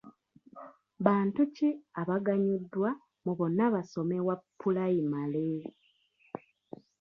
Bantu ki abaganyuddwa mu bonnabasome wa pulayimale?